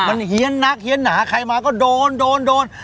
มันเฮียนนักเฮียนหนาใครมาก็โดนโดนโดน